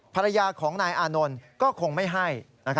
ภรรยาของนายอานนท์ก็คงไม่ให้